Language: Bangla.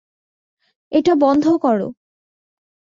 এটা বন্ধ করো।